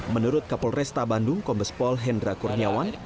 menurut kapolresta bandung kombespol hendra kurniawan